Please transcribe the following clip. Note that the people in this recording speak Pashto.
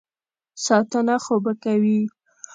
ساتنه خو به کوي.